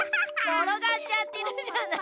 ころがっちゃってるじゃない。